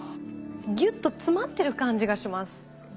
ギュッと詰まってる感じがします。